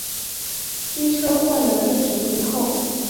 机车换了电瓶以后